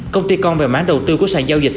công ty con về mã đầu tư của sản giao dịch